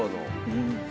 うん。